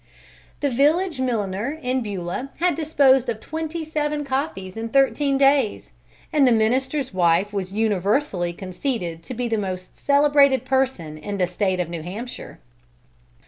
The village milliner in Beulah had disposed of twenty seven copies in thirteen days and the minister's wife was universally conceded to be the most celebrated person in the State of New Hampshire.